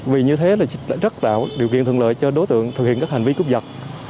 vì như thế rất tạo điều kiện thuận lợi cho đối tượng thực hiện các hành vi cướp giật